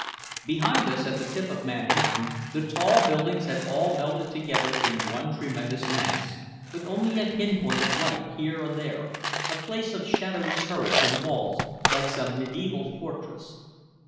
Behind us, at the tip of Manhattan, the tall buildings had all melted together into one tremendous mass, with only a pin point of light here and there, a place of shadowy turrets and walls, like some mediæval fortress.